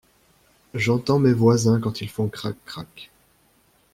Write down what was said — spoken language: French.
J'entends mes voisins quand ils font crac crac.